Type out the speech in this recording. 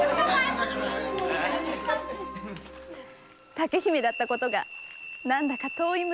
・竹姫だったことが何だか遠い昔のようです。